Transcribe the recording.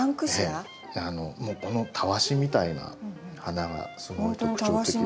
もうこのタワシみたいな花がすごい特徴的で。